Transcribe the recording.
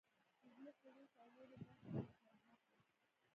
د ځمکو وېش او نورو برخو کې اصلاحات و